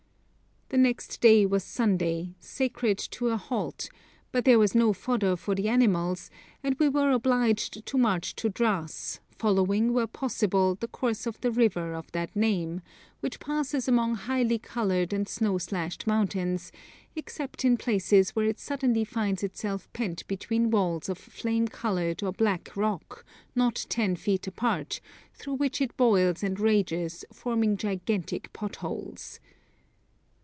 The next day was Sunday, sacred to a halt; but there was no fodder for the animals, and we were obliged to march to Dras, following, where possible, the course of the river of that name, which passes among highly coloured and snow slashed mountains, except in places where it suddenly finds itself pent between walls of flame coloured or black rock, not ten feet apart, through which it boils and rages, forming gigantic pot holes.